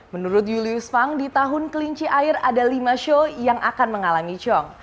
menurut julius fang di tahun kelinci air ada lima show yang akan mengalami cong